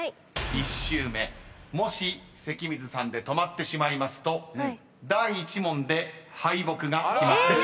［１周目もし関水さんで止まってしまいますと第１問で敗北が決まってしまいます］